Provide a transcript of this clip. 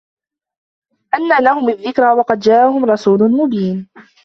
أَنَّى لَهُمُ الذِّكْرَى وَقَدْ جَاءَهُمْ رَسُولٌ مُبِينٌ